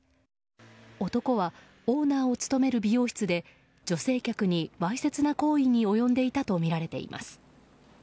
男はオーナーを務める美容室で女性客にわいせつな行為に及んでいたとみられています。